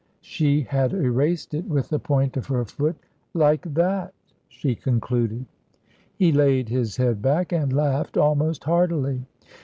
She had erased it with the point of her foot "like that," she concluded. He laid his head back and laughed almost heartily.